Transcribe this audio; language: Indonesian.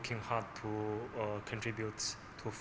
tentu saja kami juga bekerja keras